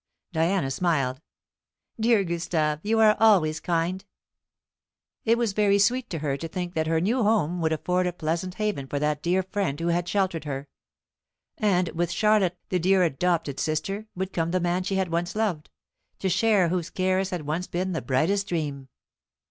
Diana smiled. "Dear Gustave, you are always kind," she said. It was very sweet to her to think that her new home would afford a pleasant haven for that dear friend who had sheltered her. And with Charlotte, the dear adopted sister, would come the man she had once loved, to share whose cares had once been the brightest dream.